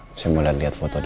untuk bawakan album foto ini